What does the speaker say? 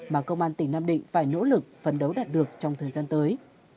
mà công an tỉnh nam định phải nỗ lực phấn đấu đạt được trong thời gian tới